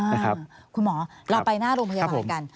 คุณหมอเราไปหน้าโรงพยาบาลกัน